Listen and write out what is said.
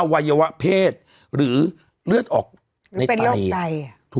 อวัยวะเพศหรือเลือดออกในไต